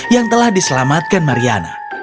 yang telah diselamatkan mariana